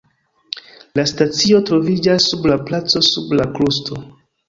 La stacio troviĝas sub la placo sub la krusto.